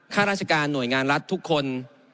ข้าราชการหน่วยงานรัฐทุกคน